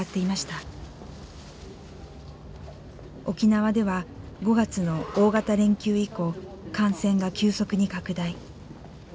沖縄では５月の大型連休以降感染が急速に拡大。